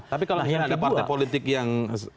tapi kalau ada partai politik yang